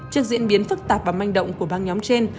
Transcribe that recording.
trước diễn biến phức tạp và manh động của băng nhóm trên